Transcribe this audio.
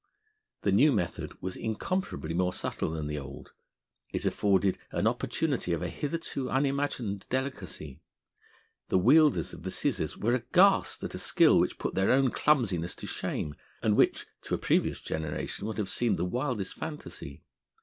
The new method was incomparably more subtle than the old: it afforded an opportunity of a hitherto unimagined delicacy; the wielders of the scissors were aghast at a skill which put their own clumsiness to shame, and which to a previous generation would have seemed the wildest fantasy.